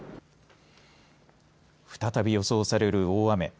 再び予想される大雨。